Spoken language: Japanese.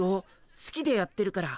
すきでやってるから。